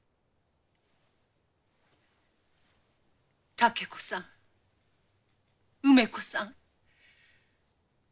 竹子さん梅子さん。